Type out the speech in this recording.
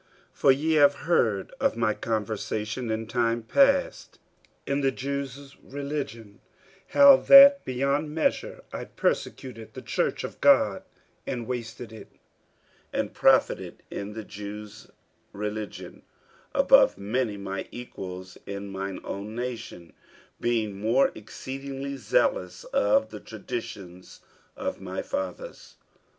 48:001:013 For ye have heard of my conversation in time past in the Jews' religion, how that beyond measure I persecuted the church of God, and wasted it: 48:001:014 And profited in the Jews' religion above many my equals in mine own nation, being more exceedingly zealous of the traditions of my fathers.